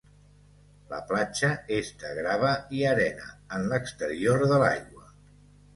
La platja és de grava i arena en l'exterior de l'aigua.